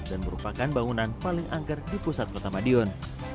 dan merupakan bangunan paling angker di pusat kota madiun